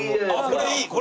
これいい！